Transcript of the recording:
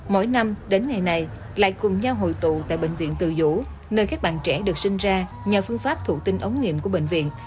mỗi năm đến ngày này lại cùng nhau hội tụ tại bệnh viện từ dũ nơi các bạn trẻ được sinh ra nhờ phương pháp thụ tinh ống nghiệm của bệnh viện